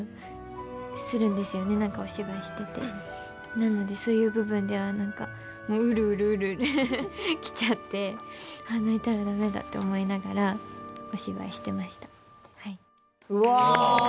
なので、そういう部分ではもううるうるうるうるきちゃってって思いながらお芝居してました、はい。